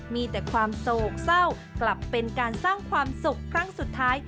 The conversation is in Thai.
มีแต่ความโศกเศร้ากลับเป็นการสร้างความสุขครั้งสุดท้าย